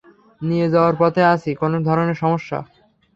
নিয়ে যাওয়ার পথে আছি কোন ধরনের সমস্যা?